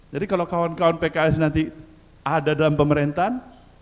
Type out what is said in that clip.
jadi kalau kawan kawan pks nanti ada dalam pemerintahan